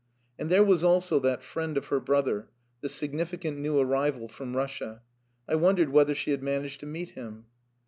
And there was also that friend of her brother, the significant new arrival from Russia.... I wondered whether she had managed to meet him.